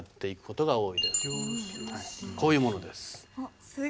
こういうものです。